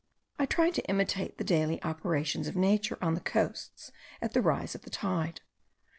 I tried to imitate the daily operations of nature on the coasts at the rise of the tide.